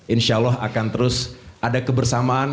insyaallah akan terus ada kebersamaan